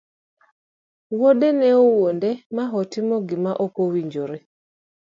wuode ne owuonde ma otimo gima okowinjore.